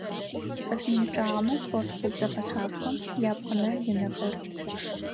ЦӀыф мин пчъагъэмэ спорт клуб зэфэшъхьафхэм япкъынэ-лынэхэр.